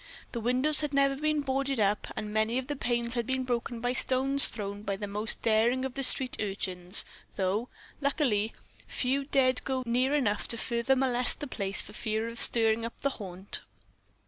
The windows had never been boarded up, and many of the panes had been broken by stones thrown by the most daring of the street urchins, though, luckily, few dared go near enough to further molest the place for fear of stirring up the "haunt."